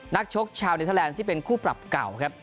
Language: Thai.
ชกชาวเนเทอร์แลนด์ที่เป็นคู่ปรับเก่าครับ